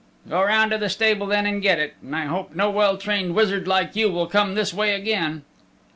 "Go round to the stable then and get it. And I hope no well trained wizard like you will come this way again."